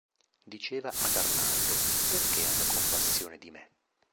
Diceva ad Arnaldo: – Perché hanno compassione di me?